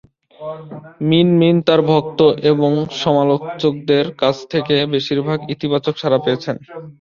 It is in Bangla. মিন মিন তার ভক্ত এবং সমালোচকদের কাছ থেকে বেশিরভাগ ইতিবাচক সাড়া পেয়েছেন।